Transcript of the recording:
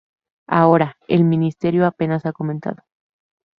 Ahora, el misterio a penas ha comenzado.